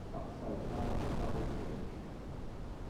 Upside down apple cake.